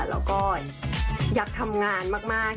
แล้วก็อยากทำงานมาก